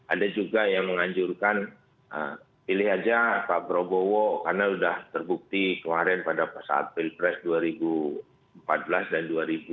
ada juga yang menganjurkan pilih aja pak prabowo karena sudah terbukti kemarin pada saat pilpres dua ribu empat belas dan dua ribu sembilan belas